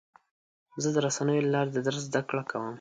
زه د رسنیو له لارې د درس زده کړه کوم.